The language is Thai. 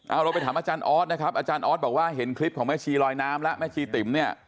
เอาเราไปถามอาจารย์ออสนะครับอาจารย์ออสบอกว่าเห็นคลิปของแม่ชี้ลอยน้ำแล้ว